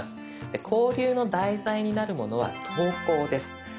で交流の題材になるものは投稿です。